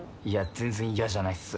全然嫌じゃないっす。